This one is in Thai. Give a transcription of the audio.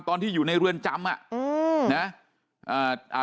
ตอนที่อยู่ในเรือนจำ